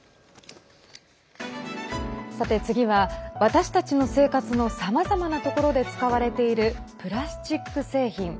さて、次は私たちの生活のさまざまなところで使われているプラスチック製品。